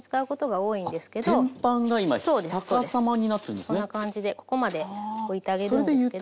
こんな感じでここまで置いてあげるんですけど。